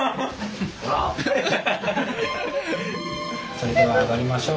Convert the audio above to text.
それでは上がりましょう。